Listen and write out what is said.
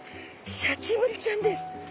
シャチブリちゃんです。